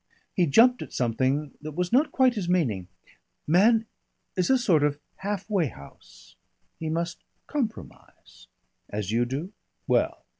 He jumped at something that was not quite his meaning. "Man is a sort of half way house he must compromise." "As you do?" "Well.